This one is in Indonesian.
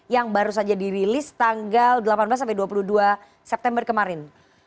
yang baru saja dirilis tanggal delapan belas sampai dua puluh dua september kemarin